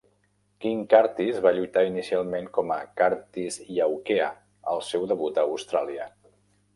King Curtis va lluitar inicialment com a Curtis Iaukea al seu debut a Austràlia.